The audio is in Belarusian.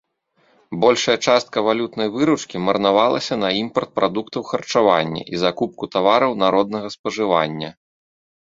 Большая частка валютнай выручкі марнавалася на імпарт прадуктаў харчавання і закупку тавараў народнага спажывання.